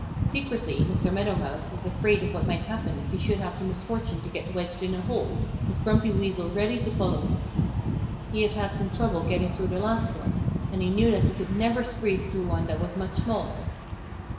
Secretly Mr. Meadow Mouse was afraid of what might happen if he should have the misfortune to get wedged in a hole, with Grumpy Weasel ready to follow him. He had had some trouble getting through the last one and he knew that he could never squeeze through one that was much smaller.